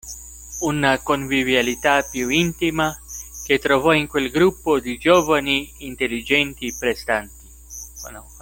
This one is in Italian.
Una convivialità più intima, che trovò in quel gruppo di giovani intelligenti e prestanti.